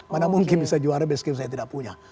mana mungkin bisa juara base game saya tidak punya